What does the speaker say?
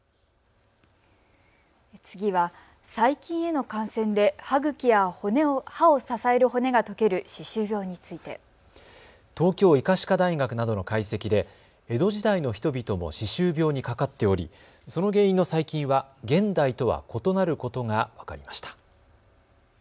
次は最近への感染で歯を支える骨が溶ける歯周病について、東京医科歯科大学などの解析で江戸時代の人々も歯周病にかかっており、その原因の細菌は現代とは異なることが分かりました。